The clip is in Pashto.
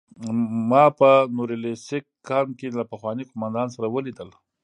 ما په نوریلیسک کان کې له پخواني قومندان سره ولیدل